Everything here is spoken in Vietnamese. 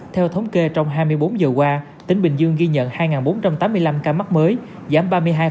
theo thống kê trong hai mươi bốn giờ qua tỉnh bình dương ghi nhận hai bốn trăm tám mươi năm ca mắc mới giảm ba mươi hai